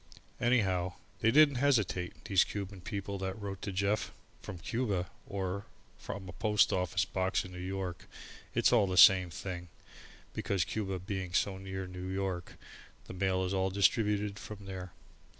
Anyhow, they didn't hesitate, these Cuban people that wrote to Jeff from Cuba or from a post office box in New York it's all the same thing, because Cuba being so near to New York the mail is all distributed from there.